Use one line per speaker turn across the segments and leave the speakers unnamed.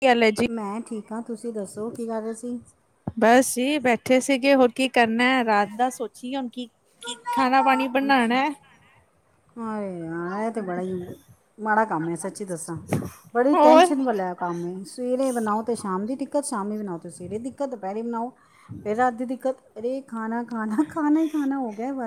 ਕੀ ਹਾਲ ਹੈ ਜੀ?
ਮੈਂ ਠੀਕ ਆਂ ਤੁਸੀਂ ਦੱਸੋ ਕੀ ਕਾਰ ਰੇ ਸੀ?
ਬਸ ਜੀ ਬੈਠੇ ਸੀਗੇ ਹੋਰ ਕੀ ਕਰਨੈ ਰਾਤ ਦਾ ਸੋਚੀਏ ਹੁਨ ਕੀ ਖਾਣਾ ਪਾਣੀ
ਅੱਛਾ
ਬਣਾਣਾ ਹੈ।
ਹਾਂਏ। ਹਾਂ ਐ ਤੇ ਬੜਾ ਈ, ਮਾੜਾ ਕੰਮ ਐ ਸੱਚੀ ਦੱਸਾਂ ਬੜੀ
ਹੋਰ
ਟੈਂਨਸ਼ਨ ਵਲਾ ਐ। ਕੰਮ ਏ, ਸਵੇਰੇ ਬਨਾਓ 'ਤੇ ਸ਼ਾਮ ਦੀ ਦਿੱਕਤ ਸ਼ਾਮੀ ਬਨਾਓ 'ਤੇ ਸਵੇਰੇ ਦੀ ਦਿੱਕਤ ਦੁਪੈਰੀ ਬਨਾਓ ਫੇਰ ਰਾਤ ਦੀ ਦਿੱਕਤ, ਅਰੇ ਖਾਨਾ-ਖਾਨਾ ਖਾਨਾ ਈ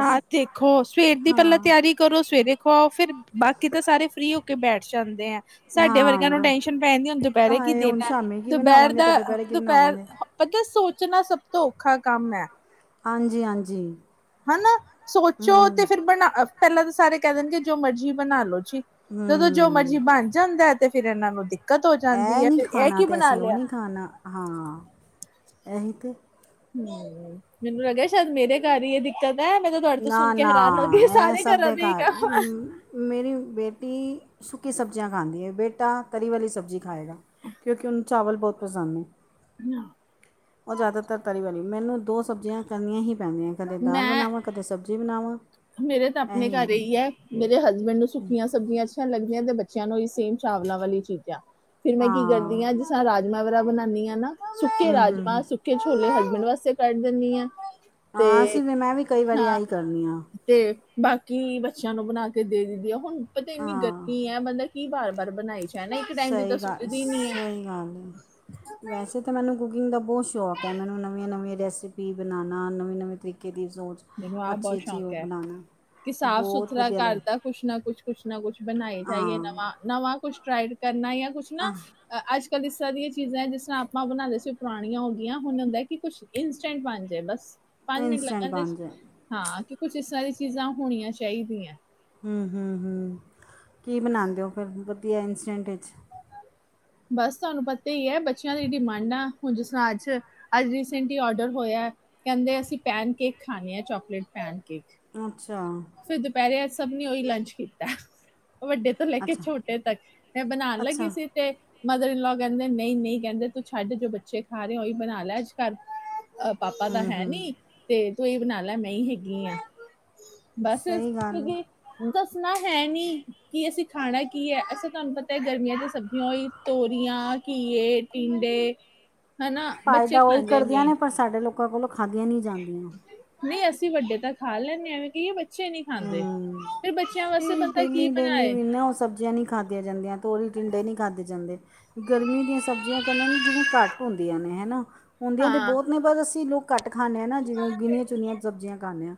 ਹਾਂ ਦੇਖੋ ਸਵੇਰ ਦੀ ਪੈਲਾਂ
ਹਾਂ
ਤਿਆਰੀ ਕਰੋ ਸਵੇਰੇ ਖਵਾਓ ਫਿਰ, ਬਾਕੀ ਤਾਂ ਸਾਰੇ ਫ੍ਰੀ ਹੋ ਕੇ ਬੈਠ ਜਾਂਦੇ ਐਂ। ਸਾਡੇ
ਹਾਂ
ਵਰਗੇਆਂ ਨੂੰ
ਬ-
ਟੈਸ਼ਨ ਪੈ ਜਾਂਦੀ ਆ ਹੋਨ ਦੁਪੈਰੇ ਕੀ
ਹਾਏ ਹੁਣ
ਦੇਨਾ ਏ
ਸ਼ਾਮੀ ਕੀ
ਦੁਪੈਰ
ਬਣਾਵਾਂਗੇ ਤੇ
ਦਾ ਅ
ਦੁਪਹਿਰੇ ਕੀ
ਦੁਪੈਰ
ਬਣਾਵਾਂਗੇ
ਪਤਾ ਸੋਚਨਾ ਸਭ ਤੋਂ ਔਖਾ ਕੰਮ ਏ
ਹਾਂਜੀ-ਹਾਂਜੀ।
ਹਨਾ, ਸੋਚੋ ਤੇ ਫਿਰ ਬਨਾ ਪੈਲਾਂ ਤਾਂ ਸਾਰੇ ਕੈ ਦੇਣਗੇ ਜੋ ਮਰਜੀ ਬਨਾ ਲੋ ਜੀ ਜਦੋਂ ਜੋ
ਹੂੰ
ਮਰਜ਼ੀ ਬਨ ਜਾਂਦੈ ਤੇ ਫੇਰ ਏਨਾਂ ਨੂੰ ਦਿੱਕਤ ਓ ਜਾਂਦੀ ਏ ਫਿਰ, ਏ ਕੀ ਬਨਾ ਲੇਆ
ਖਾਨਾ। ਹਾਂ, ਐਹੀ ਤੇ।
ਮੇਨੂੰ ਲੱਗਿਆ ਸ਼ੈਦ ਮੇਰੇ ਕੱਰ ਈ ਏ ਦਿੱਕਤ ਐ, ਮੈਂ ਤਵਾਡੇ ਤੋਂ
ਨਾ
ਸੁਨ ਕੇ
ਨਾ
ਹੈਰਾਨ ਹੋ ਗੀ,
ਇਹ
ਸਾਰੇ
ਸਭ
ਕਰਾਂ ਦੇ
ਘਰ ਮ ਮੇਰੀ ਬੇਟੀ ਸੁੱਕੀ ਸਬਜ਼ੀਆਂ ਖਾਂਦੀ ਏ, ਬੇਟਾ ਤਰੀ ਵਾਲੀ ਸਬਜ਼ੀ ਖਾਏਗਾ। ਕਿਉਂਕਿ ਓਨੂੰ ਚਾਵਲ ਬੋਤ ਪਸੰਦ ਨੇ।
[inaudible]
ਓ ਜਾਦਾਤਰ ਤਰੀ ਵਾਲੀ। ਮੈਂਨੂੰ ਦੋ ਸਬਜ਼ੀਆਂ ਕਰਨੀਆਂ ਹੀ ਪੈਂਦੀਆਂ ਨੇ, ਕਦੇ ਦਾਲ
ਮੈਂ
ਬਣਾ ਵ- ਕਦੇ ਸਬਜ਼ੀ ਬਨਾਵਾਂ।
ਮੇਰੇ ਤਾਂ ਅਪਣੇ ਘਰ ਐਹੀ ਐ। ਮੇਰੇ ਹਸਬੈਂਡ ਨੂੰ ਸੁੱਕੀਆਂ ਸਬਜ਼ੀਆਂ ਲੱਗਦੀਆਂ ਤੇ ਬੱਚੇਆਂ ਨੂੰ ਹੀ ਸੇਮ ਚਾਵਲਾਂ ਵਾਲੀ ਚੀਜਾਂ, ਫੇਰ ਮੈਂ ਕੀ
ਹਾਂ
ਕਰਦੀ ਆਂ ਰਾਜਮਾਂ ਵੈਰਾ ਬਣਾਨੀ ਆਂ ਨਾ, ਸੁੱਕੇ
ਹੂੰ ਹੂੰ
ਰਾਜਮਾਂ,
ਹੂੰ
ਸੁੱਕੇ ਛੋਲੇ ਹਸਬੈਂਡ ਵਾਸਤੇ ਕੱਢ ਦੇਨੀਆਂ।
ਹਾਂ, ਅਸੀਂ ਵੀ ਮੈਂ ਵੀ ਕਈ ਵਾਰੀ ਐਂਈ ਕਰਨੀ ਆਂ।
ਤੇ ਬਾਕੀ ਬੱਚੇਆਂ ਨੂੰ ਬਣਾ ਕੇ ਦੇ ਦੇਨੀ ਆਂ ਹੁਣ ਪਤਾ ਏਨੀ
ਹਾਂ
ਗਰਮੀ ਐ ਮਤਲਬ ਕੀ ਬਾਰ-ਬਾਰ ਬਨਾਈ ਜਾ ਨਾ, ਇੱਕ ਟਾਈਮ ਦੀ
ਸਹੀ
ਤਾਂ
ਗੱਲ
ਸੁੱਝਦੀ ਨੀ ਐ।
[unintelligible] ਵੈਸੇ ਤਾਂ ਮੈਨੂੰ ਕੁਕਿੰਗ ਦਾ ਬੋਤ ਸ਼ੌਂਕ ਐ। ਮੈਨੂੰ ਨਵੀਆਂ-ਨਵੀਂਆਂ ਰੈਸਪੀ ਬਨਾਨਾ ਨਵੇਂ-ਨਵੇਂ ਤਰੀਕੇ ਦੀ ਸੋਚ
ਮੈਨੂੰ ਆਪ ਬਹੁਤ
ਅੱਛੀ-ਅੱਛੀ
ਸ਼ੌਕ
ਓ
ਹੈ
ਬਨਾਨਾ।
ਕਿ ਸਾਫ-ਸੁਥਰਾ ਘਰ ਦਾ ਕੁਛ ਨਾ ਕੁਛ, ਕੁਛ ਨਾ ਕੁਛ ਬਨਾਏ ਜਾਈਏ
ਹਾਂ
ਨਵਾਂ। ਨਵਾਂ ਕੁਛ ਟਰਾਈਡ ਕਰਨਾ ਜਾਂ ਕੁਛ ਨਾ
ਆਹ
ਅਹ ਅੱਜ-ਕੱਲ੍ਹ ਇਸ ਤਰਾਂ ਦੀਆਂ ਚੀਜ਼ਾਂ ਜਿਸ ਤਰ੍ਹਾਂ ਆਪਾਂ ਬਣਾਂਦੇ ਸੀ ਪੁਰਾਣੀਆਂ ਹੋ ਗੀਆਂ, ਹੁਣ ਹੁੰਦਾ ਐ ਕਿ ਕੁਛ ਇੰਸਟੈਂਟ ਬੰਨ ਜੇ ਬਸ, ਪੰਜ ਮਿੰਟ
ਇੰਸਟੈਂਟ
ਲਗਦੇ
ਬਣ ਜਾਏ
ਹਾਂ ਕਿ ਕੁੱਛ ਇਸ ਤਰਾਂ ਦੀ ਚੀਜ਼ਾਂ ਹੋਣੀਆਂ ਚਾਈਦੀਐ।
ਹੂੰ-ਹੂੰ-ਹੂੰ ਕੀ ਬਨਾਂਦੇ ਓ ਫੇਰ, ਵਧੀਆ ਇੰਸਟੈਂਟ 'ਚ?
ਬਸ ਤੁਆਨੂੰ ਪਤਾ ਈਐ ਬੱਚੇਆਂ ਦੀ ਡਿਮਾਂਡਾ ਹੁਣ, ਜਿਸਤਰਾਂ ਅੱਜ ਅੱਜ ਰੀਸੈਂਟਲੀ ਓਡਰ ਹੋਯਾ ਕੈਂਦੇ ਅਸੀਂ ਪੈਨਕੇਕ ਖਾਨੇ ਐ, ਚੋਕਲੇਟ ਪੈਨਕੇਕ।
ਅੱਛਾ।
ਫੇਰ ਦੁਪੈਰੇ ਅੱਜ ਸਭਨੇ ਉਹੀ ਲੰਚ ਕੀਤੈ, ਵੱਡੇ ਤੋਂ ਲੈਕੇ
ਅੱਛਾ
ਛੋਟੇ ਤੱਕ। ਮੈਂ ਬਨਾਣ
ਅੱਛਾ
ਲੱਗੀ ਸੀ ਤੇ ਮਦਰ ਇਨਲੋ ਕੈਂਦੇ ਨਈਂ-ਨਈਂ ਕੈਂਦੇ ਤੂੰ ਛੱਡ, ਜੋ ਬੱਚੇ ਖਾ ਰੇ ਓਈ ਬਣਾ ਲੈ। ਅੱਜ ਘਰ ਅ ਪਾਪਾ ਤਾਂ
ਹੂੰ ਹੂੰ
ਹੈਂਨੀ ਤੇ ਤੂੰ ਏਈ ਬਣਾ ਲੈ ਮੈਂ ਹੀ ਹੈਗੀ ਆਂ। ਬਸ
ਸਹੀ
ਫੇਰ
ਗੱਲ ਹੈ
[unintelligible] ਦੱਸਣਾ ਹੈ ਨੀ, ਕਿ ਅਸੀਂ ਖਾਣਾ ਕੀ ਐ ਅੱਛਾ, ਤੁਆਨੂੰ ਪਤਾ ਐ ਗਰਮੀਆਂ ਦੀਆਂ ਸਬਜ਼ੀਆਂ ਓਇ ਤੋਰੀਆਂ, ਘੀਏ, ਟਿੰਡੇ, ਹੈਨਾ ਬੱਚੇ
ਫਾਇਦਾ ਉਹੀ
ਖਾਂਦੇ
ਕਰਦੀਆਂ
ਨੀਂ।
ਨੇ ਪਰ ਸਾਡੇ ਲੋਕਾਂ ਕੋਲੋਂ ਖਾਦੀਆਂ ਨੀਂ ਜਾਂਦੀਆਂ।
ਨਈਂ, ਅਸੀਂ ਵੱਡੇ ਤਾਂ ਖਾ ਲੈਂਨੇ ਆਂ ਐਵੇਂ ਕਈਏ। ਬੱਚੇ ਬੱਚੇ ਨੀਂ ਖਾਂਦੇ,
ਹੂੰ
ਫੇਰ ਬੱਚੇਆਂ ਵਾਸਤੇ ਬੰਦਾ ਕੀ ਬਨਾਏ?
ਓ ਸਬਜੀਆਂ ਨੀਂ ਖਾਦੀਆਂ ਜਾਂਦੀਆਂ ਤੋਰੀਆਂ, ਟਿੰਡੇ ਨੀਂ ਖਾਧੇ ਜਾਂਦੇ। ਗਰਮੀ ਦੀਆਂ ਸਬਜ਼ੀਆਂ ਕੈਂਦੇ ਨੇ ਜਿਵੇੰ ਘੱਟ ਹੁੰਦੀਆਂ ਨੇ, ਹਨਾ। ਹੁੰਂਦੀਆਂ ਤੇ
ਹਾਂ
ਬੋਤ ਨੇ ਬਸ, ਅਸੀਂ ਲੋਕ ਘੱਟ ਖਾਂਨੇ ਆਂ ਨਾ। ਜਿਵੇਂ ਗਿਣੀਆਂ ਚੁਨੀਆਂ ਸਬਜ਼ੀਆਂ ਖਾਂਦੇ ਹਾਂ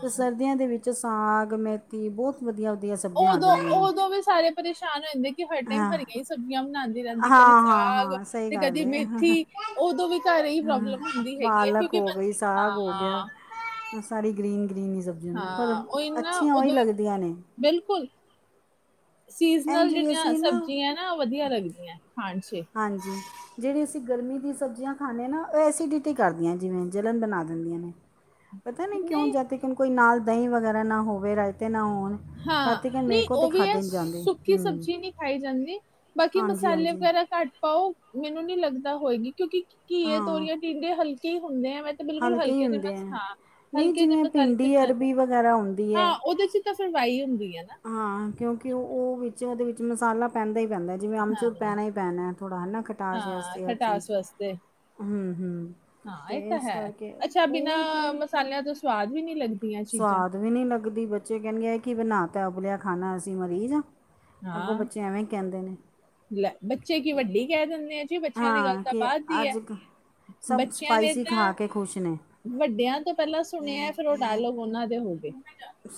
ਤੇ ਸਰਦੀਆਂ ਦੇ ਵਿੱਚ ਸਾਗ ਮੇ ਥੀ ਬੋਤ ਵਧੀਆ- ਵਧੀਆ ਸਬਜ਼ੀਆਂ ਆ ਜਾਂਦੀਆਂ ਨੇ
ਉਦੋਂ-ਉਦੋਂ ਵੀ ਸਾਰੇ ਪਰੇਸ਼ਾਨ ਹੋ ਜਾਂਦੇ ਕਿ ਹਰ ਟੈਮ
ਹਾਂ
ਹਰੀਆਂ ਹੀ ਸਬਜ਼ੀਆਂ ਬਣਾਂਦੇ। ਰੈਂਦੀ ਕਦੀ
ਹਾਂ ਹਾਂ
ਸਾਗ
ਹਾਂ ਸਹੀ
ਤੇ
ਗੱਲ
ਕਦੀ
ਹੈ
ਮੇਥੀ ਉਦੋਂ ਵੀ ਘਰ ਇ ਪ੍ਰੋਬਲਮ ਹੁੰਦੀ
ਪਾਲਕ
ਹੈਗੀ ਹੈ।
ਹੋ ਗਈ ਸਾਗ ਹੋ ਗਿਆ
ਹਾਂ-ਹਾਂ।
ਸਾਰੀ ਗ੍ਰੀਨ-ਗ੍ਰੀਨ ਹੀ ਸਬਜ਼ੀਆਂ ਨੂੰ ਪਰ
ਉਹ ਇਨਾ
ਅੱਛੀਆਂ ਓ ਈ
ਉਦੋਂ ਵੀ
ਲੱਗਦੀਆਂ ਨੇ।
ਬਿਲਕੁਲ
ਐਂ
ਸਿਜ਼ਨਲ
ਜਿਹੜੀ
ਜੇੜੀਆਂ
ਅਸੀਂ ਨਾ
ਸਬਜ਼ੀਆਂ ਨਾ ਵਧੀਆ ਲੱਗਦੀਆਂ ਖਾਣ 'ਚ
ਹਾਂਜੀ ਜੇੜੀ ਅਸੀਂ ਗਰਮੀ ਦੀਆਂ ਸਬਜ਼ੀਆਂ ਖਾਂਦੇ ਹਾਂ ਨਾ ਓ ਐਸੀਡਿਟੀ ਕਰਦੀਆਂ ਜਿਵੇਂ ਜਲਣ ਬਣਾ ਦਿੰਦੀਆਂ ਨੇ।
ਹਮ
ਪਤਾ ਨਈ ਕਿਉ ਜਦ ਕਿਉ ਕੋਈ ਨਾਲ ਦਈਂ ਵਗੈਰਾ ਨਾ ਹੋਵੇ ਰਾਇਤੇ ਨਾ ਹੋਣ।
ਹਾਂ
ਤਦ ਤੱਕ ਮੇਰੇ
ਨਈ
ਕੋਲ ਤਾਂ
ਓ ਵੀ ਐ
ਖਾਧੇ ਨਹੀਂ ਜਾਂਦੇ
ਸੁੱਕੀ
ਹੂੰ
ਸਬਜ਼ੀ ਨਈ ਖਾਈ ਜਾਂਦੀ ਬਾਕੀ
ਹਾਂਜੀ
ਮਸਾਲੇ
ਹਾਂਜੀ
ਵਗੈਰਾ ਘੱਟ ਪਾਓ ਮੈਨੂੰ ਨੀ ਲੱਗਦਾ ਹੋਏਗੀ ਕਿਉਂਕਿ ਘੀਏ,
ਹਾਂ
ਤੋਰੀਆਂ, ਟੀਂਡੇ ਹਲਕੇ ਹੁੰਦੇ ਐਵੇਂ ਬਿਲਕੁਲ
ਹੀ
ਹਲਕੇ ਜਮ
ਹੁੰਦੇ ਹੈ
ਹਾਂ
ਨਹੀਂ
ਹਲਕੇ ਜਿਹੇ
ਜਿਵੇਂ
ਮਸਾਲੇ
ਭਿੰਡੀ
ਬਣਾਂਣੇ ਸ
ਅਰਬੀ ਵਗੈਰਾ ਹੁੰਦੀ ਹੈ
ਹਾਂ ਉਦੇ 'ਚ ਤਾਂ ਫਿਰ ਵਾਈ ਹੁੰਦੀ ਆ ਨਾ।
ਹਾਂ ਕਿਉਂਕਿ ਓ-ਓ ਵਿੱਚ ਉਦੇ ਵਿੱਚ ਮਸਾਲਾ ਪੈਂਦਾ ਈ ਪੈਂਦਾ ਜਿਵੇਂ ਅਮਚੂਰ
ਹਾਂ,
ਪੈਣਾ ਹੀ ਪੈਣਾ ਥੋੜਾ ਹੈ ਖਟਾਸ
ਹਾਂ
ਵਾਸਤੇ ਚੀਜ਼
ਖਟਾਸ ਵਾਸਤੇ
ਹੂੰ ਹੂੰ
ਹਾਂ ਐ
ਅਤੇ
ਤਾ
ਇਸ
ਹੈ
ਕਰਕੇ
ਅੱਛਾ ਬਿਨਾਂ
ਉਹ ਥੋੜ੍ਹੀ
ਮਸਾਲਿਆਂ ਤੋਂ ਸਵਾਦ ਵੀ ਨਈ ਲੱਗਦਾ।
ਸਵਾਦ ਵੀ ਨਈ ਲੱਗਦੀ ਬੱਚੇ ਕੈਂਦੇ ਐ ਕੀ ਬਣਾ ਤਾ ਉਬਲਿਆ ਖਾਣਾ ਅਸੀਂ ਮਰੀਜ਼ ਆਂ। ਅੱਗੋਂ
ਹਾਂ।
ਬੱਚੇ ਐਵੇਂ ਹੀ ਕੈਂਦੇ ਨੇ।
ਲੈ ਬੱਚੇ ਕੀ ਵੱਡੇ ਈ ਕੈ ਦਿੰਦੇ ਆ ਜੀ ਬੱਚਿਆਂ ਦੀ ਗੱਲ
ਹਾਂ
ਤਾਂ
ਕਿ
ਬਾਦ ਦੀ ਐ।
ਅੱਜ ਕ- ਸਭ
ਬੱਚਿਆਂ ਨੇ
ਸਪਾਈਸੀ
ਤਾਂ
ਖਾ ਕੇ ਖੁਸ਼ ਨੇ।
ਵੱਡਿਆਂ ਤੋਂ ਪੈਲਾਂ ਸੁਣਿਆ ਫਿਰ ਓ ਡਾਇਲੋਗ ਉਨਾਂ ਦੇ ਹੋ ਗਏ।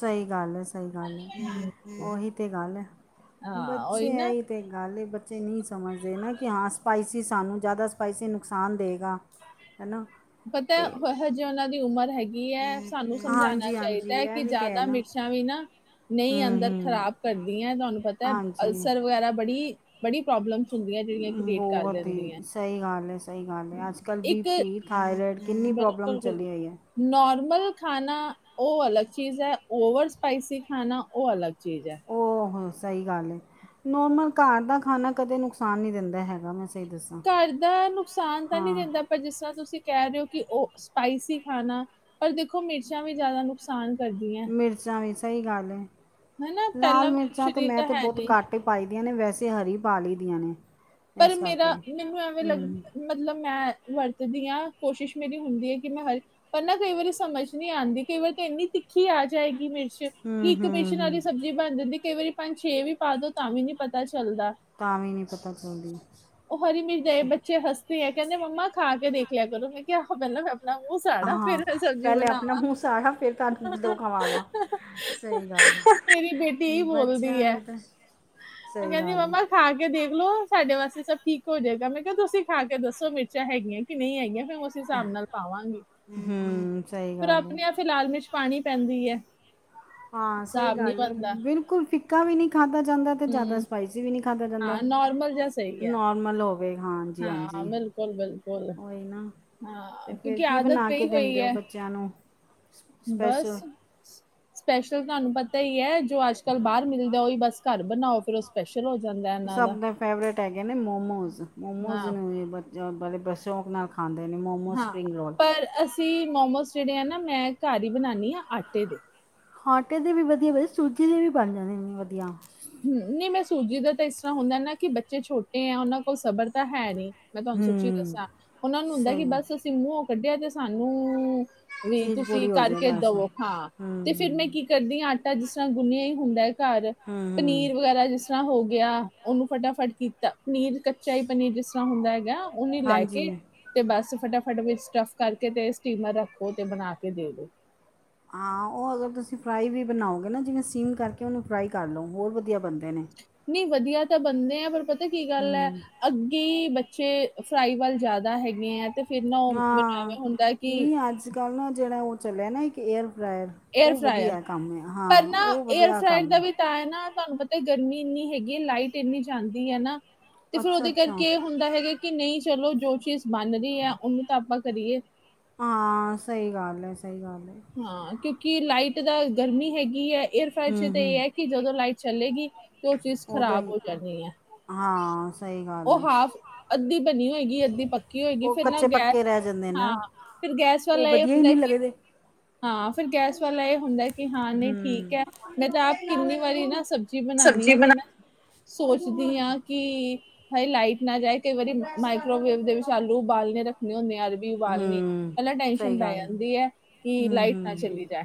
ਸਈ ਗੱਲ ਐ-ਸਈ ਗੱਲ ਐ ਉਹੀ ਤੇ ਗੱਲ ਐ
ਹਾਂ ਉਹੀ
ਬੱਚੇ ਐ
ਨਾ
ਈ ਤੇ ਨਾਲੇ ਬੱਚੇ ਨਈ ਸਮਝਦੇ ਨਾ ਕਿ ਹਾਂ ਸਪਾਈਸੀ ਸਾਨੂੰ ਜਾਦਾ ਸਪਾਈਸੀ ਨੁਕਸਾਨ ਦੇਗਾ। ਹਨਾ।
ਪਤਾ ਹਜੇ ਉਨਾਂ ਦੀ ਉਮਰ ਹੈਗੀ। ਗੀ ਐ ਸਾਨੂੰ ਸਮਝਾਣਾ
ਹਾਂਜੀ
ਚਾਈਦਾ
ਹਾਂਜੀ
ਐ
ਇਹ
ਕਿ
ਵੀ ਤਾਂ ਹੈ
ਜਾਦਾ
ਨਾ
ਮਿਰਚਾਂ ਵੀ ਨਾ ਨਈ
ਹੂੰ
ਅੰਦਰ
ਹੂੰ
ਖਰਾਬ ਕਰਦੀਆਂ ਤੁਹਾਨੂੰ ਪਤਾ
ਹਾਂਜੀ
ਅਲਸਰ ਵਗੈਰਾ ਬੜੀ-ਬੜੀ ਪ੍ਰੋਬਲਮ ਹੁੰਦੀਆਂ ਜੇੜੀਆਂ ਕ੍ਰੀਏਟ ਕਰ ਦਿੰਦੀਆਂ।
ਸਈ ਗੱਲ ਏ-ਸਈ ਗੱਲ ਏ ਅੱਜ ਕੱਲ੍ਹ
ਇੱਕ
ਬੀ ਪੀ ਥਾਇਰਇਡ ਕਿੰਨੀ ਪ੍ਰੋਬਲਮ
ਬਿਲਕੁਲ ਬਿਲਕੁਲ
ਚਲੀ ਹੋਈ ਏ।
ਨੋਰਮਲ ਖਾਨਾ ਓ ਅਲੱਗ ਚੀਜ਼ ਐ ਓਵਰ ਸਪਾਈਸੀ ਖਾਣਾ ਓ ਅਲੱਗ ਚੀਜ਼ ਐ।
ਓ ਹਾਂ ਸਈ ਗੱਲ ਏ। ਨੋਰਮਲ ਘਰ ਦਾ ਖਾਣਾ ਕਦੇ ਨੁਕਸਾਨ ਨਈ ਦਿੰਦਾ ਹੈਗਾ ਮੈਂ ਸਈ ਦੱਸਾਂ।
ਘਰ ਦਾ ਨੁਕਸਾਨ ਤਾਂ ਨਈ
ਹਾਂ
ਦਿੰਦਾ ਪਰ ਜਿਸ ਤਰ੍ਹਾਂ ਤੁਸੀਂ ਕੈ ਰਏ ਹੋ ਕਿ ਓ ਸਪਾਈਸੀ ਖਾਣਾ ਪਰ ਦੇਖੋ ਮਿਰਚਾਂ ਵੀ ਜਾਦਾ ਨੁਕਸਾਨ ਕਰਦੀਆਂ।
ਮਿਰਚਾਂ ਵੀ ਸਈ ਗੱਲ ਏ
ਹਨਾ
ਲਾਲ
ਪਹਿਲਾਂ
ਮਿਰਚਾਂ ਤਾਂ
ਸਰੀਰ
ਮੈਂ ਤਾਂ
ਹੈ
ਬੋਤ
ਨਹੀਂ
ਘੱਟ ਪਾਈ ਦੀਆਂ ਨੇ ਵੈਸੇ ਹਰੀ ਪਾ ਲਈ ਦੀਆਂ ਨੇ।
ਪਲ
ਇਸ
ਮੇਰਾ
ਕਰਕੇ
ਮੈਨੂੰ ਐਵੇਂ
ਹੂੰ
ਲੱਗਦਾ। ਮਤਲਬ ਮੈਂ ਵਰਤਦੀ ਆਂ ਕੋਸ਼ਿਸ਼ ਮੇਰੀ ਹੁੰਦੀ ਹੈ ਕਿ ਮੈਂ ਹਰ ਪਰ ਨਾ ਕਈ ਵਾਰੀ ਸਮਝ ਨਈ ਆਂਦੀ ਕਈ ਵਾਰੀ ਤਾਂ ਇੰਨੀ ਤਿੱਖੀ ਆ ਜਾਏਗੀ ਮਿਰਚ 'ਚ
ਹੂੰ
ਇੱਕ
ਹੂੰ
ਮਿਰਚ ਨਾਲ ਈ
ਹੂੰ
ਸਬਜ਼ੀ ਬਣ ਜਾਂਦੀ ਕਈ ਵਾਰੀ ਪੰਜ-ਛੇ ਵੀ ਪਾ ਦੋ ਤਾਂ ਵੀ ਨੀ ਪਤਾ ਚੱਲਦਾ।
ਤਾਂ ਵੀ ਨੀ ਪਤਾ ਚਲਦੀ।
ਉ ਹਰੀ ਮਿਰਚ ਏ ਬੱਚੇ ਹੱਸਦੇ ਏ, ਕੈਂਦੇ ਮੰਮਾ ਖਾ ਕੇ ਦੇਖ ਲਿਆ ਕਰੋ ਮੈਂ ਕਿਹਾ ਆਹੋ ਪੈਲਾਂ ਮੂੰ ਸਾੜਾ
ਹਾਂ
ਫੇਰ ਮੈਂ ਸਬਜ਼ੀ
ਪਹਿਲੇ ਆਪਣਾ
ਬਨਾਵਾਂ
ਮੂੰਹ ਸਾੜਾ ਫਿਰ ਤੁਹਾਨੂੰ ਦੋ ਖਵਾਵਾਂ ਸਹੀ ਗੱਲ ਹੈ
ਮੇਰੀ ਬੇਟੀ ਏਈ ਬੋਲਦੀ
ਬੱਚਿਆਂ
ਐ।
ਦੇ ਤਾਂ ਸਹੀ
ਕੈਂਦੀ
ਗੱਲ ਹੈ।
ਮੰਮਾ ਖਾ ਕੇ ਦੇਖਲੋ ਸਾਡੇ ਵਾਸਤੇ ਸਭ ਠੀਕ ਹੋ ਜਾਏਗਾ, ਮੈਂ ਕਿਹਾ ਤੁਸੀਂ ਖਾ ਕੇ ਦੱਸੋ ਮਿਰਚਾਂ ਹੈਗੀਆਂ ਕਿ ਨਈ ਹੈਗੀਆਂ ਫ ਹਿਸਾਬ ਨਾਲ ਪਾਵਾਂਗੀ,
ਹੂੰ ਸਹੀ
ਫੇਰ
ਗੱਲ ਹੈ।
ਆਪਣੇ ਵਾਸਤੇ ਲਾਲ ਮਿਰਚ ਪਾਣੀ ਪੈਂਦੀ ਏ।
ਹਾਂ ਸਹੀ ਗੱਲ ਏ, ਬਿਲਕੁਲ ਫਿੱਕਾ ਵੀ ਨਈ ਖਾਧਾ ਜਾਂਦਾ। ਤੇ ਜਾਦਾ
ਹਮ
ਸਪਾਈਸੀ ਵੀ ਨੀ ਖਾਧਾ
ਹਾਂ
ਜਾਂਦਾ
ਨਾਰਮਲ ਜਿਹਾ ਸਹੀ ਹੈ
ਨੋਰਮਲ ਹੋ
ਹਾਂ
ਹਾਂਜੀ-ਹਾਂਜੀ
ਬਿਲਕੁਲ ਬਿਲਕੁਲ
ਉਈ ਨਾ
ਹਾਂ
ਤੇ ਫੇਰ
ਕਿਉਂਕਿ
ਕੀ
ਆਦਤ
ਬਨਾ ਕੇ
ਪਈ ਹੋਈ
ਦਿੰਦੇ ਹੋ
ਹੈ
ਬੱਚਿਆਂ ਨੂੰ?
ਬਸ
ਸਪੈਸ਼ਲ
ਸਪੈਸ਼ਲ ਤੁਹਾਨੂੰ ਪਤਾ ਈ ਐ, ਜੋ ਅੱਜ-ਕੱਲ੍ਹ ਬਾਰ ਮਿਲਦੇ ਉਈ ਬਸ ਘਰ ਬਨਾਓ ਫਿਰ ਉਸ ਸਪੈਸ਼ਲ ਹੋ ਜਾਂਦੈ ਇਨਾਂ ਦਾ।
ਸਭ ਦੇ ਫੇਵਰੇਟ ਹੈਗੇ ਨੇ ਮੋਮੋਜ਼-ਮੋਮੋਜ਼
ਨਾ
ਨੂੰ ਵੀ ਬ ਬੜੇ ਬ ਸ਼ੌਕ ਨਾਲ ਖ ਖਾਂਦੇ ਨੇ ਮੋਮੋਸ,
ਹਾਂ
ਸਪਰਿੰਗ ਰੋਲ
ਪਰ ਅਸੀਂ ਮੋਮੋਸ ਜੇੜੇ ਆ ਨਾ, ਮੈਂ ਘਾਰ ਈ ਬਨਾਦੀ ਆਂ ਆਟੇ ਦੇ।
ਆਟੇ ਦੇ ਵੀ ਵਧੀਆ ਬਨਦੇ ਸੂਜੀ ਦੇ ਵੀ ਬਣ ਜਾਂਦੇ ਨੇ ਵਧੀਆ।
ਨਈ ਮੈਂ ਸੂਜੀ ਦਾ ਤੇ ਇਸ ਤਰ੍ਹਾਂ ਹੁੰਦਾ ਨਾ ਕਿ ਬੱਚੇ ਛੋਟੇ ਆ ਉਨਾਂ ਕੋਲ ਸਬਰ ਤਾਂ ਹੈ ਨੀ ਮੈਂ ਤੁਆਨੂੰ ਸੱਚੀ
ਹੂੰ
ਦੱਸਾਂ ਉਨਾਂ ਨੂੰ ਹੁੰਦਾ, ਕਿ
ਸਹੀ ਆ।
ਬਸ ਅਸੀਂ ਮੂੰਹੋਂ ਕੱਢਿਆ ਤੇ ਸਾਨੂੰ ਵੀ
ਚੀਜ਼
ਤੁਸੀਂ
ਪੂਰੀ ਹੋ ਜਾਏ
ਕਰਕੇ
ਬਸ ਹੂੰ
ਦਵੋ ਹਾਂ, ਤੇ ਫੇਰ ਮੈਂ
ਹੂੰ
ਕੀ ਕਰਦੀ ਆਂ। ਤਾਂ ਜਿਸ ਤਰ੍ਹਾਂ ਗੁੰਨਿਆ ਈ ਹੁੰਦੈ ਘਾਰ,
ਹੂੰ
ਪਨੀਰ ਵਗੈਰਾ ਜਿਸ ਤਰ੍ਹਾਂ ਹੋ ਗਿਆ ਉਨੂੰ ਫਟਾਫਟ ਕੀਤਾ, ਪਨੀਰ ਕੱਚਾ ਈ ਪਨੀਰ ਜਿਸ ਤਰ੍ਹਾਂ ਹੁੰਦਾ ਹੈਗਾ। ਉਨਾ ਈ ਲੈ ਕੇ
ਹਾਂਜੀ
ਤੇ ਬਸ ਫਟਾਫਟ ਵਿੱਚ ਸਟਫ ਕਰਕੇ ਤੇ ਸਟੀਮਰ ਰੱਖੋ ਤੇ ਬਨਾ ਕੇ ਦੇ ਦੋ।
ਹਾਂ, ਉ ਅਗਰ ਤੁਸੀਂ ਫਰਾਈ ਵੀ ਬਨਾਓਗੇ ਨਾ ਜਿਵੇਂ ਸੀਮ ਕਰਕੇ ਉਨੂੰ ਫਰਾਈ ਕਰ ਲੋ ਹੋਰ ਵਧੀਆ ਬਨਦੇ ਨੇ।
ਨਈ ਵਧੀਆ ਤੇ ਬਨਦੇ ਆ ਪਰ ਪਤਾ ਕੀ ਗੱਲ ਏ
ਹੂੰ
ਅੱਗੇ ਈ ਬੱਚੇ ਫਰਾਈ ਵੱਲ ਜਾਦਾ ਹੈਗੇ ਏਂ ਤੇ ਫਿਰ ਨਾ ਉ ਮੈਨੂੰ ਐਂਵੇ
ਹਾਂ
ਹੁੰਦੈ ਕਿ,
ਨਹੀਂ ਅੱਜ ਕੱਲ੍ਹ ਨਾ ਜੇੜਾ ਉ ਚਲਿਆ ਨਾ ਇੱਕ ਏਅਰ ਫਰਾਇਰ
ਏਅਰ
ਉਹ
ਫਰਾਅਰ
ਵਧੀਆ ਕੰਮ ਹੈ ਹਾਂ
ਪਰ ਨਾ
ਉਹ
ਏਅਰ
ਵਧੀਆ
ਫਰਾਇਰ ਦਾ
ਕੰਮ
ਵੀ
ਹੈ
ਤਾਂ ਏ ਨਾ ਤੁਹਾਨੂੰ ਪਤਾ ਤੇ ਗਰਮੀ ਇੰਨੀ ਹੈਗੀ, ਲਾਈਟ ਇੰਨੀ ਜਾਂਦੀ ਏ ਨਾ, ਤੇ ਫੇਰ
ਅੱਛਾ
ਉਦੇ
ਅੱਛਾ
ਕਰਕੇ ਹੁੰਦਾ ਹੈਗਾ ਕਿ ਨਈ ਚਲੋ ਜੋ ਚੀਜ਼ ਬਨ ਰਈ ਐ, ਉਨੂੰ ਤਾਂ ਆਪਾਂ ਕਰੀਏ।
ਹਾਂ ਸਹੀ ਗੱਲ ਏ, ਸਹੀ ਗੱਲ ਏ।
ਹਾਂ ਕਿਉਂਕਿ ਲਾਈਟ ਦਾ ਗਰਮੀ ਹੈਗੀ ਏ, ਏਅਰਫਰਾਈਰ ਚ
ਹੂੰ
ਤਾਂ ਏ
ਹੂੰ
ਹੈ ਕਿ ਜਦੋਂ ਲਾਈਟ ਚਲੇਗੀ ਤੇ ਉ ਚੀਜ਼
ਉਦੋਂ
ਖ਼ਰਾਬ
ਹੀ
ਹੋ ਜਾਂਨੀ ਏ
ਹਾਂ ਸਹੀ ਗੱਲ
ਉ
ਹੈ
ਹਾਫ ਅੱਧੀ ਬਨੀ ਹੋਏਗੀ ਅੱਧੀ ਪ ਕੀ ਹੋਏਗੀ
ਉਹ
ਫੇਰ ਨਾ
ਕੱਚੇ ਪੱਕੇ
ਗੈਸ
ਰਹਿ ਜਾਂਦੇ
ਹਾਂ
ਨਾ
ਫੇਰ ਗੈਸ
ਉਹ
ਵਾਲਾ ਐ
ਵਧੀਆ ਹੀ
ਹੁੰਦਾ
ਨਹੀਂ
ਕਿ
ਲੱਗਦੇ
ਹਾਂ ਫਿਰ ਗੈਸ ਵਾਲਾ ਐ ਹੁੰਦਾ ਕਿ ਹਾਂ ਨਈ ਠੀਕ
ਹੂੰ
ਹੈ ਮੈਂ ਤਾਂ ਆਪ ਕਿੰਨੀ ਵਾਰੀ ਨਾ ਸ ਬਜੀ ਬਨਾਨੀ ਆਂ ਤੇ ਮੈਂ ਸੋਚਦੀ ਆਂ ਕੀ ਹਏ ਲਾਈਟ ਨਾ ਜਾਏ ਕਈ ਵਾਰੀ ਮਾਈਕਰੋਵੇਵ ਦੇ ਵਿੱਚ ਆਲੂ ਉਬਾਲਨੇ ਰੱਖਨੇ ਹੁੰਦੇ ਆ ਉਬਾਲਨੀ।
ਹੂੰ
ਪੈਲਾਂ ਟੈਸ਼ਨ
ਸਹੀ
ਪੈ
ਗੱਲ
ਜਾਂਦੀ ਏ ਕਿ
ਹੂੰ
ਲਾਈਟ ਨਾ
ਹੂੰ
ਚਲੀ ਜਾਏ।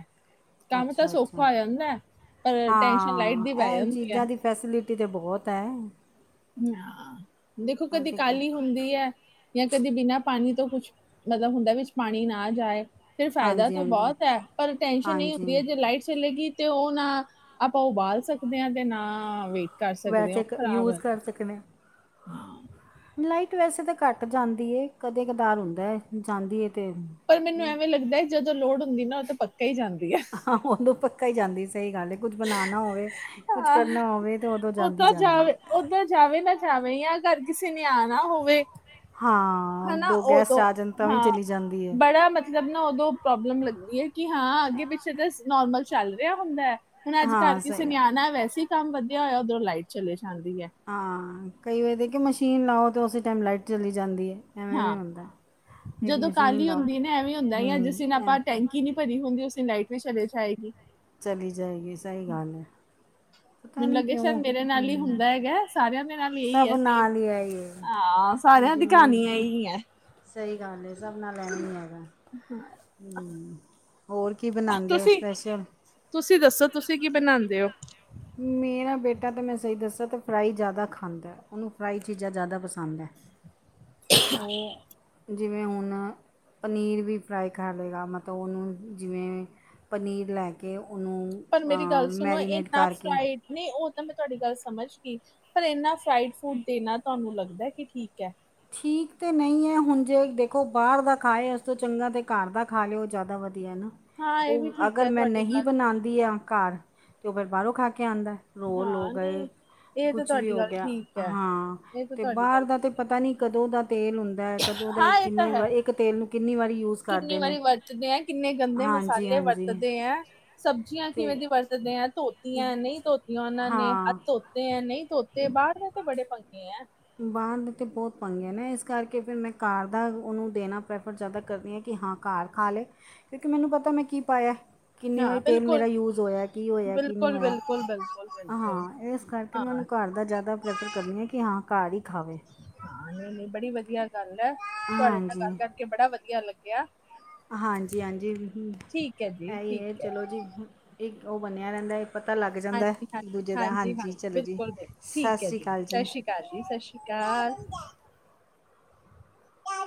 ਕੰਮ ਤਾਂ
ਅੱਛਾ ਅੱਛਾ
ਸੌਖਾ ਹੋ ਜਾਂਦੈ, ਪਰ ਟੈਨਸ਼ਨ ਲਾਈਟ
ਹਾਂ
ਦੀ ਪੈ
ਇਹ
ਜਾਂਦੀ ਏ।
ਚੀਜ਼ਾਂ ਦੀ ਫੈਸਿਲਿਟੀ ਤੇ ਬੋਹਤ ਹੈ।
ਹਾਂ, ਦੇਖੋ
ਹਾਂ,
ਕਦੀ
ਠੀਕ ਹੈ
ਕਾਹਲੀ ਹੁੰਦੀ ਐ। ਜਾਂ ਕਦੇ ਬਿਨਾਂ ਪਾਣੀ ਤੋਂ ਕੁਛ, ਮਤਲਬ ਹੁੰਦਾ ਵਿੱਚ ਪਾਣੀ ਨਾ ਜਾਏ ਫਿਰ, ਫਾਇਦਾ
ਹਾਂਜੀ
ਤਾਂ
ਹਾਂਜੀ
ਬਹੁਤ ਐ, ਪਰ ਟੈਨਸ਼ਨ ਇਹੀ ਹੁੰਦੀ,
ਹਾਂਜੀ
ਜੇ ਲਾਈਟ ਚਲੇਗੀ, ਤੇ ਉਹ ਨਾ ਆਪਾਂ, ਉਬਾਲ ਸਕਦੇ ਹਾਂ ਤੇ ਨਾ ਵੇਟ ਕਰ ਸਕਦੇ ਹਾਂ, ਉਹ ਖ਼ਰਾਬ
ਤੇ ਕਿਵੇਂ?
ਹਮ।
ਲਾਈਟ ਵੈਸੇ ਤਾਂ ਘੱਟ ਜਾਂਦੀ ਏ, ਕਦੇ ਕਧਾਰ ਹੁੰਦਾ ਜਾਂਦੀ ਤੇ
ਪਰ ਮੈਨੂੰ ਐਵੇਂ ਲੱਗਦਾ ਹੈ, ਜਦੋਂ ਲੋੜ ਹੁੰਦੀ ਨਾ ਓਦੋ ਪਕਾ ਹੀ ਜਾਂਦੀ ਐ
ਆ ਹੋ ਉਦੋਂ ਪੱਕਾ ਹੀ ਜਾਂਦੀ, ਸਹੀ ਗੱਲ ਹੈ ਕੁੱਝ ਬਣਾਣਾ ਹੋਵੇ ਕੁਝ
ਹਾਂ
ਕਰਨਾ ਹੋਵੇ ਤਾਂ ਉਦੋਂ ਜਾਂਦੀ
ਉਦਾਂ
ਜਾਂਦੀ
ਜਾਵੇ,
ਹੈ।
ਉਦਾਂ ਜਾਵੇ ਨਾ ਐ ਵੀ ਅਹ ਘਰ, ਕਿਸੇ ਨੇ ਆਨਾ ਹੋਵੇ
ਹਾਂ।
ਹਨਾ
ਦੋ ਗੈਸਟ
ਉਦੋਂ
ਆ ਜਾਣ ਤਾਂ ਵੀ
ਹਾਂ,
ਚਲੀ ਜਾਂਦੀ ਹੈ
ਬੜਾ ਮ ਮਤਲਬ ਨਾ, ਉਦੋਂ ਪ੍ਰੋਬਲਮ ਲੱਗਦੀ ਹੈ ਕਿ, ਹਾਂ ਅੱਗੇ -ਪਿੱਛੇ ਨੋਰਮਲ ਚੱਲ ਰਿਹਾ ਹੁੰਦਾ ਹੁਣ,, ਅੱਜ ਕਰ
ਹਾਂ
ਕਿਸੇ
ਸਹੀ
ਨੇ
ਗੱਲ।
ਆਣਾ, ਵੈਸੇ ਹੀ ਕੰਮ ਵਧਿਆ ਹੋਇਆ, ਉਧਰੋਂ ਲਾਈਟ ਚਲੀ ਜਾਂਦੀ ਏ
ਹਾਂ, ਕਈ ਵਾਰੀ ਕਿ ਮਸ਼ੀਨ ਲਾਓ, ਤੇ ਉਸੇ ਟਾਈਮ ਲਾਈਟ ਚਲੀ ਜਾਂਦੀ ਏ
ਹਾਂ ਜਦੋਂ ਕਾਹਲੀ
ਲਾਓ
ਹੁੰਦੀ
ਤੇ
ਨਾ, ਐਵੇਂ ਹੁੰਦਾ ਆ
ਹੂੰ
ਕਿਸੀ ਨਾਲ
ਐਵੇਂ
ਬੰਨ ਜਾਈਏ ਕੀ ਨਹੀਂ ਭਰੀ ਹੁੰਦੀ, ਉਸਦੀ ਲਾਈਟ ਵੀ ਚਲੇ ਜਾਏਗੀ
ਚਲੀ ਜਾਏਗੀ, ਸਹੀ ਗੱਲ ਏ
ਮੈਨੂੰ ਲੱਗੇ ਸ਼ਾਇਦ ਮੇਰੇ ਨਾਲ ਹੀ
ਹੂੰ
ਹੁੰਦਾ ਹੈਗਾ। ਸਾਰਿਆਂ ਦੇ ਨਾਲ ਇਹੀ
ਸਭ
ਆ, ਸੇਮ
ਨਾਲ ਹੀ ਹੈ ਇਹ
ਹਾਂ ਸਾਰਿਆਂ ਦੀ,
ਜਿੰਨੀ ਵੀ
ਕਹਾਣੀ ਏਹੀ ਹੈ
ਸਹੀ ਗੱਲ ਹੈ, ਸਭ ਨਾਲ ਐਵੇਂ ਹੀ ਹੈਗਾ ਹੋਰ ਕੀ ਬਣਾਦੇ ਹੋ
ਤੁਸੀਂ
ਸਪੈਸ਼ਲ?
ਤੁਸੀਂ ਦੱਸੋ, ਤੁਸੀਂ ਕੀ ਬਣਾਦੇ ਹੋ?
ਮੇਰਾ ਬੇਟਾ, ਤਾਂ ਮੈਂ ਸਹੀ ਦਸਾਂ ਤਾਂ ਫਰਾਈ ਜ਼ਿਆਦਾ ਖਾਂਦਾ, ਉਹਨੂੰ ਫਰਾਈ ਚੀਜ਼ਾਂ, ਜ਼ਿਆਦਾ ਪਸੰਦ ਐ ਉਹ, ਜਿਵੇਂ ਹੁਣ ਪਨੀਰ ਵੀ ਫਰਾਈ ਕਰ ਲਏਗਾ, ਮਤਲਬ ਉਹਨੂੰ ਜਿਵੇਂ ਪਨੀਰ ਲੈ ਕੇ ਕਿ ਉਹਨੂੰ,
ਪਰ ਮੇਰੀ
ਹਾਂ
ਗੱਲ ਸੁਣੋ
ਮੈਰੀਨੇਟ
ਇੰਨਾ
ਕਰਕੇ
ਫਰਾਈਡ ਨਹੀਂ ਉਹ ਤਾਂ ਮੈਂ, ਤੁਹਾਡੀ ਗੱਲ ਸਮਝ ਰਹੀ, ਪਰ ਇੰਨਾ ਫਰਾਈਡ- ਫਰੂਡ ਦੇਣਾ ਤੁਹਾਨੂੰ ਲੱਗਦਾ ਕਿ, ਠੀਕ ਹੈ
ਠੀਕ ਤਾਂ ਨਹੀਂ ਹੈ, ਹੁਣ ਜੇ ਦੇਖੋ ਬਾਹਰ ਦਾ ਖਾਏ ਇਸ ਤੋਂ ਚੰਗਾ, ਤਾਂ ਘਰ ਦਾ ਖਾ ਲਏ, ਤੇ ਉਹ ਜ਼ਿਆਦਾ ਵਧੀਆ
ਹਾਂ ਇਹ ਵੀ
ਉਹ
ਠੀਕ
ਅਗਰ
ਹੈ
ਮੈਂ
ਤੁਹਾਡੀ
ਨਹੀਂ
ਗੱਲ
ਬਣਾਦੀ ਆ ਘਰ, ਤੇ ਉਹ ਫੇਰ ਬਾਹਰੋਂ ਖਾ ਕੇ ਆਦਾ ਰੋਲ ਹੋ
ਹਾਂ
ਗਏ,
ਨਹੀਂ ਇਹ ਤਾਂ
ਕੁਛ ਵੀ
ਤੁਹਾਡੀ
ਹੋ
ਗੱਲ
ਗਿਆ
ਠੀਕ ਹੈ
ਹਾਂ।
ਇਹ ਤਾਂ
ਅਤੇ
ਤੁਹਾਡੀ
ਬਾਹਰ
ਗੱਲ
ਦਾ ਤਾਂ ਪਤਾ ਨਈ, ਕਦੋਂ ਦਾ ਤੇਲ ਹੁੰਦਾ ਲੈ ਕਦੋਂ ਦੇ
ਹਾਂ ਇਹ ਤਾਂ
ਕਿੰਨੇ
ਹੈ
ਵਈ, ਇੱਕ ਤੇਲ ਨੂੰ ਕਿੰਨੀ ਵਾਰੀ ਯੂਜ
ਕਿੰਨੀ
ਕਰਦੇ ਨੇ
ਵਾਰੀ
ਹਾਂਜੀ- ਹਾਂਜੀ
ਏ ਆਂ, ਸਬਜ਼ੀਆਂ ਕਿਵੇਂ
ਅਤੇ
ਦੀ ਬੰਨ ਗੰਦੀਆਂ ਧੋਤੀਆਂ ਨਈ, ਧੋਤੀਆਂ ਉਹਨਾਂ ਨੇ, ਅੱਜ
ਹਾਂ
ਧੋਤੀਆ ਨਹੀ ਧੋਤੇ, ਬਾਹਰ ਦੇ ਤੇ, ਬੜੇ ਪੰਗੇ ਆ
ਬਾਹਰ ਦੇ ਤਾਂ ਬਹੁਤ ਪੰਗੇ ਨੇ, ਇਸ ਕਰਕੇ ਫਿਰ ਮੈਂ ਕਾਰ ਦਾ ਉਨੂੰ ਦੇਣਾ, ਪ੍ਰੈਫਰ ਜ਼ਿਆਦਾ ਕਰਦੀ ਹਾਂ, ਕਿ ਹਾਂ ਘਰ ਖਾ ਲਏ, ਕਿਉਂਕਿ ਮੈਨੂੰ, ਪਤਾ ਮੈਂ ਕੀ ਪਾਇਆ ਕਿੰਨੀ ਵਾਰੀ,
ਹਾਂ
ਤੇਲ
ਬਿਲਕੁਲ
ਮੇਰਾ ਯੂਜ਼ ਹੋਇਆ ਕੀ ਹੋਇਆ ਕੀ ਨਹੀਂ
ਬਿਲਕੁਲ
ਹੋਇਆ
ਬਿਲਕੁਲ ਬਿਲਕੁਲ ਬਿਲਕੁਲ
ਹਾਂ, ਇਸ ਕਰਕੇ ਮੈਨੂੰ
ਹਾਂ
ਘਰ ਮੈ ਜ਼ਿਆਦਾ, ਪ੍ਰੈਫਰ ਕਰਦੀ ਹਾਂ ਕਿ, ਹਾਂ ਘਰ ਹੀ ਖਾਵੇ
ਬੜੀ ਵਧੀਆ ਗੱਲ ਆ, ਤੁਹਾਡੇ ਨਾਲ
ਹਾਂਜੀ
ਗੱਲ ਕਰਕੇ, ਬੜਾ ਵਧੀਆ ਲੱਗਿਆ
ਹਾਂਜੀ- ਹਾਂਜੀ ਇਹ ਹੀ ਹੈ ਜੀ, ਚਲੋ ਜੀ ਇੱਕ ਉਹ ਬਣਿਆ ਰਹਿੰਦਾ ਪਤਾ ਲੱਗ ਜਾਂਦਾ, ਇੱਕ ਦੂਜੇ ਦਾ ਹਾਂਜੀ, ਚਲੋ ਜੀ ਸਤਿ ਸ਼੍ਰੀ ਅਕਾਲ ਜੀ।
ਕਰ, ਸਤਿ ਸ਼੍ਰੀ ਅਕਾਲ।